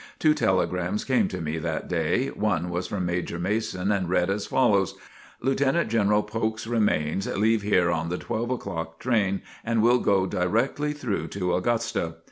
Two telegrams came to me that day. One was from Major Mason and read as follows: "Lieutenant General Polk's remains leave here on the 12 o'clock train and will go directly through to Augusta."